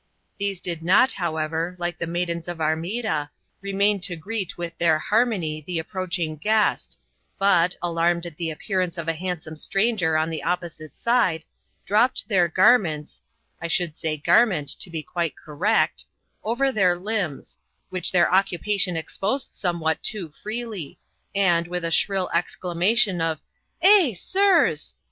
These did not, however, like the maidens of Armida, remain to greet with their harmony the approaching guest, but, alarmed at the appearance of a handsome stranger on the opposite side, dropped their garments (I should say garment, to be quite correct) over their limbs, which their occupation exposed somewhat too freely, and, with a shrill exclamation of 'Eh, sirs!'